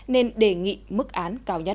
nên đề nghị mức án cao nhất